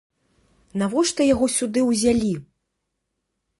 Навошта яго сюды ўзялі?